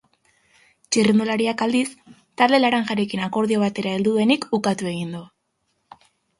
Txirrindularia, aldiz, talde laranjarekin akordio batera heldu denik ukatu egin du.